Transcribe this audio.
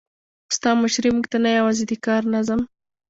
ستا مشري موږ ته نه یوازې د کار نظم،